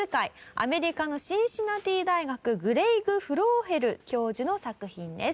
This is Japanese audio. アメリカのシンシナティ大学グレイグ・フローヘル教授の作品です。